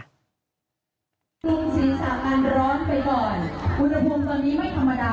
ศรีสาธารณร้อนไปก่อนอุณหภงตอนนี้ไม่ธรรมดาเลยนะคะ